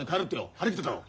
張り切ってたろ。